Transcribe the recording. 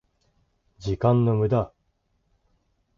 時間の無駄